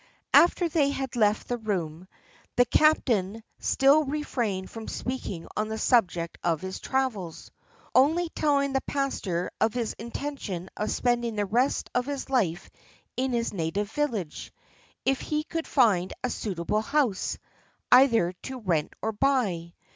After they had left the room, the captain still refrained from speaking on the subject of his travels, only telling the pastor of his intention of spending the rest of his life in his native village, if he could find a suitable house, either to rent or buy.